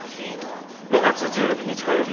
５月１６日火曜日